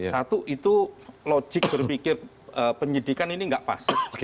satu itu logik berpikir penyidikan ini nggak pas